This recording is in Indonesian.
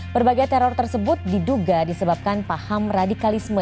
berbagai teror tersebut diduga disebabkan paham radikalisme